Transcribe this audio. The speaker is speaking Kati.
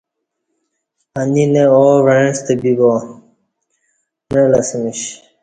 ا نی نہ او وعݩستہ بِیبا معلہ اسہ میش۔